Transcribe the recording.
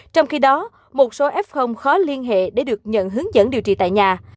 trong khi đó một số f khó liên hệ để được nhận hướng dẫn điều trị tại nhà